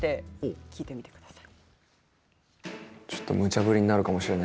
聞いてみてください。